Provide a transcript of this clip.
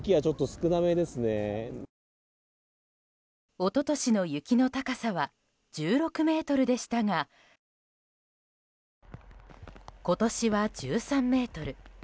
一昨年の雪の高さは１６ｍでしたが今年は１３ｍ。